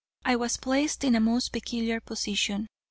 I was placed in a most peculiar position.